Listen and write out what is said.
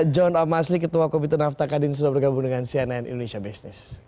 jon amasli ketua komite naftakadin sudah bergabung dengan cnn indonesia business